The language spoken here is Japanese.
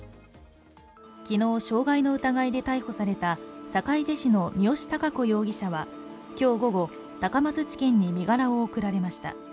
昨日、傷害の疑いで逮捕された坂出市の三好貴子容疑者は今日午後、高松地検に身柄を送られました。